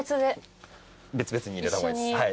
別々に入れた方がいいです。